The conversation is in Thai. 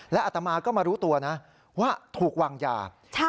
และอาตมาก็มารู้ตัวนะว่าถูกวางอย่างใช่ค่ะ